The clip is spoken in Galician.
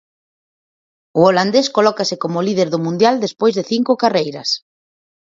O holandés colócase como líder do mundial despois de cinco carreiras.